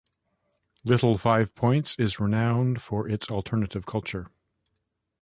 Little Five Points is renowned for its alternative culture.